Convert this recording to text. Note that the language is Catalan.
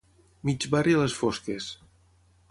Mig barri a les fosques.